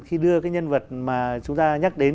khi đưa cái nhân vật mà chúng ta nhắc đến